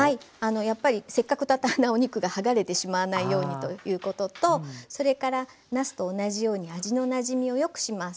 やっぱりせっかくたたんだお肉が剥がれてしまわないようにということとそれからなすと同じように味のなじみを良くします。